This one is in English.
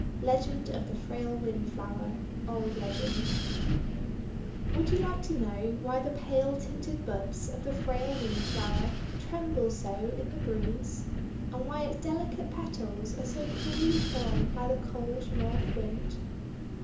LEGEND OF THE FRAIL WINDFLOWER Old Legend WOULD you like to know why the pale tinted buds of the frail Windflower tremble so in the breeze? And why its delicate petals are so cruelly torn by the cold North Wind?